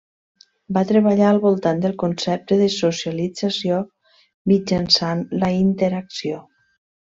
Va treballar al voltant del concepte de socialització mitjançant la interacció.